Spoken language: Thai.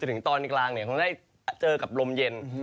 ถึงตอนกลางคงได้เจอกับลมเย็น